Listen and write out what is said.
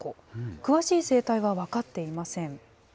詳しい生態は分かっていません。